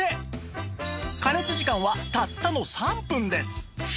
加熱時間はたったの３分です